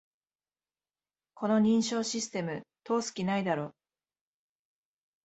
この認証システム、通す気ないだろ